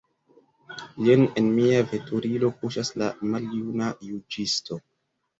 Jen en mia veturilo kuŝas la maljuna juĝisto.